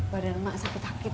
badan mak sakit sakit